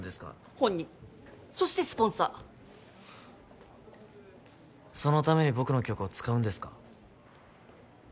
本人そしてスポンサーそのために僕の曲を使うんですか？